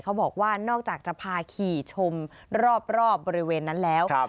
เขาบอกว่านอกจากจะพาขี่ชมรอบบริเวณนั้นแล้ว